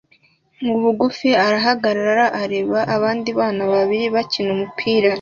nubugufi arahagarara areba abandi bana babiri bakina umupira